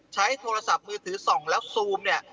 ใช้โทรศัพท์มือถือส่องแล้วซูมเนี่ย